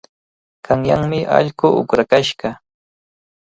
Qanyanmi allqu uqrakashqa.